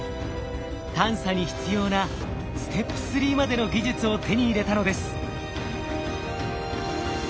探査に必要なステップ３までの技術を手に入れたのです。